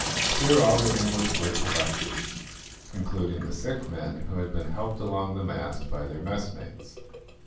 Here all the English were collected, including the sick men, who had been helped along the mast by their messmates.